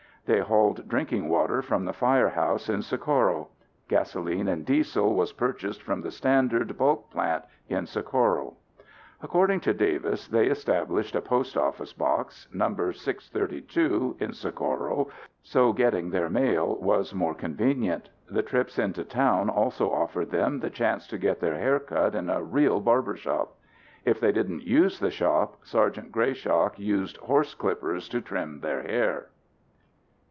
They hauled drinking water from the fire house in Socorro. Gasoline and diesel was purchased from the Standard bulk plant in Socorro. According to Davis, they established a post office box, number 632, in Socorro so getting their mail was more convenient. The trips into town also offered them the chance to get their hair cut in a real barbershop. If they didn't use the shop, Sgt. Greyshock used horse clippers to trim their hair.